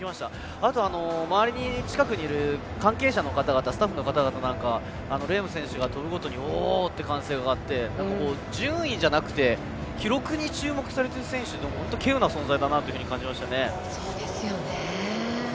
あと、周りの近くにいる関係者の方々スタッフの方々もレーム選手が跳ぶごとに歓声が上がって順位じゃなくて記録に注目されている選手で本当に稀有な存在だと感じられましたね。